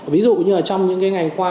ví dụ như là trong những cái ngày qua